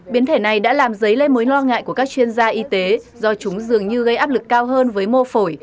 biến thể này đã làm dấy lên mối lo ngại của các chuyên gia y tế do chúng dường như gây áp lực cao hơn với mô phổi